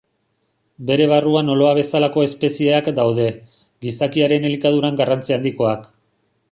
Bere barruan oloa bezalako espezieak daude, gizakiaren elikaduran garrantzi handikoak.